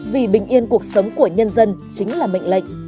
vì bình yên cuộc sống của nhân dân chính là mệnh lệnh